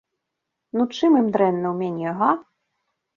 Ну, чым ім дрэнна ў мяне, га?